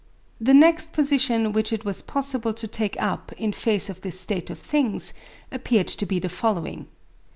The next position which it was possible to take up in face of this state of things appeared to be the following.